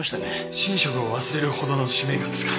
寝食を忘れるほどの使命感ですか。